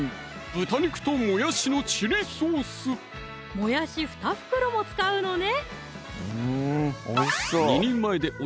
もやし２袋も使うのね